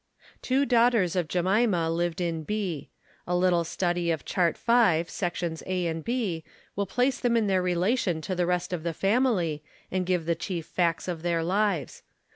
Two daughters of Jemima lived in B . A little study of Chart V, sections A and B, will place them in their relation to the rest of the family and give the chief facts of their lives.